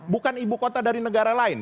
bukan ibu kota dari negara lain